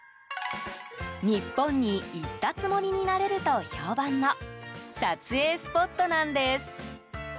日本に行ったつもりになれると評判の、撮影スポットなんです。